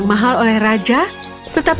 iya ya sekolah mungkin erro